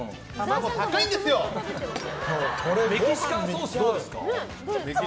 メキシカンソースどうですか？